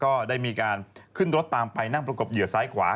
ก็ได้มีการขึ้นรถตามไปนั่งประกบเหยื่อซ้ายขวา